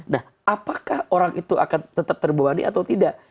nah apakah orang itu akan tetap terbebani atau tidak